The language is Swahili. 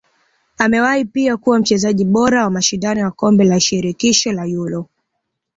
Amewahi pia kuwa mchezaji bora wa mashindano ya kombe la shirikisho la Euro